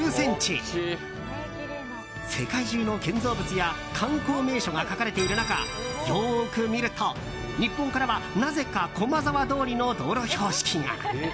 世界中の建造物や観光名所が描かれている中よく見ると、日本からはなぜか駒沢通りの道路標識が。